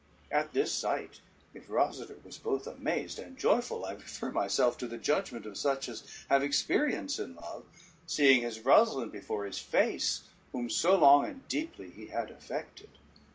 At this sight, if Rosader was both amazed and joyful, I refer myself to the judgment of such as have experience in love, seeing his Rosalynde before his face whom so long and deeply he had affected.